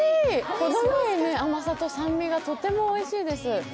ほどよい甘さと酸味がとてもおいしいです。